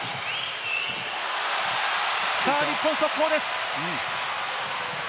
日本、速攻です。